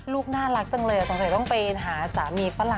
ลูกน่ารักจังเลยสงสัยต้องไปหาสามีฝรั่ง